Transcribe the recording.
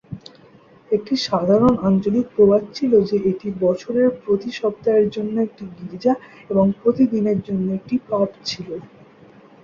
একটি সাধারণ আঞ্চলিক প্রবাদ ছিল যে এটি বছরের প্রতি সপ্তাহের জন্য একটি গির্জা এবং প্রতিদিনের জন্য একটি পাব ছিল।